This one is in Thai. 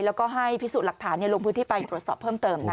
แล้วก็ให้พิสูจน์หลักฐานลงพื้นที่ไปตรวจสอบเพิ่มเติม